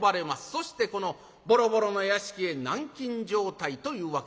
そしてこのボロボロの屋敷へ軟禁状態というわけでございます。